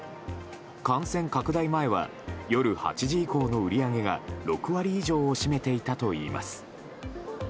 感染拡大前は夜８時以降の売り上げが６割以上を占めていたといいます。